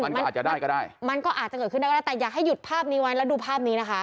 มันไม่อาจจะได้ก็ได้มันก็อาจจะเกิดขึ้นได้ก็ได้แต่อยากให้หยุดภาพนี้ไว้แล้วดูภาพนี้นะคะ